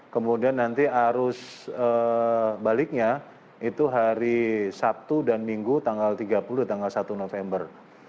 kemudian nanti arus baliknya itu hari sabtu dan minggu tanggal tiga puluh tanggal satu november